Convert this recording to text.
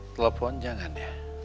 telepon jangan ya